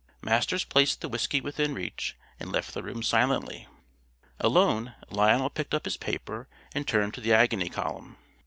Masters placed the whisky within reach and left the room silently. Alone, Lionel picked up his paper and turned to the Agony Column.